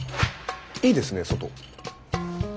いいですね外。